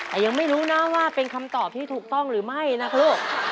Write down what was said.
แต่ยังไม่รู้นะว่าเป็นคำตอบที่ถูกต้องหรือไม่นะลูก